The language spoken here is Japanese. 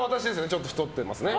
ちょっと太ってますね。